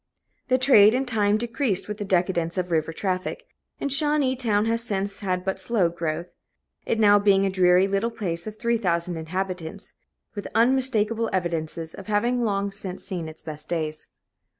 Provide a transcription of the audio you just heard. The trade, in time, decreased with the decadence of river traffic; and Shawneetown has since had but slow growth it now being a dreary little place of three thousand inhabitants, with unmistakable evidences of having long since seen its best days.